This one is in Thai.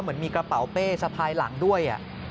เหมือนมีกระเป๋าเป้สะพายหลังด้วย